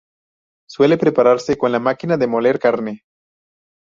Suele prepararse con la máquina de moler carne.